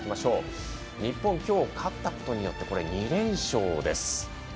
日本、今日勝ったことによって２連勝です。